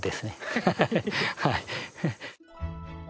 ハハハハはい。